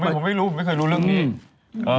ผมไม่รู้ผมไม่เคยรู้เรื่องนี้